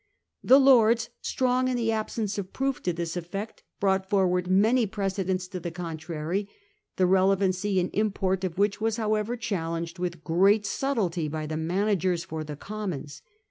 The Lords, strong in the absence of proof to this effect, brought forward many precedents to the contrary, the relevancy and import of which was however challenged with great subtlety by the managers for the Commons.